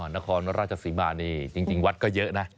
นครราชสีมานี่จริงวัดก็เยอะนะ